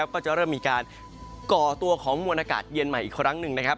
ก็จะเริ่มมีการก่อตัวของมวลอากาศเย็นใหม่อีกครั้งหนึ่งนะครับ